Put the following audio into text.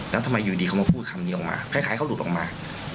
แล้วทำไมอยู่ดีเขามาพูดคำเดียวออกมาคล้ายเขาหลุดออกมา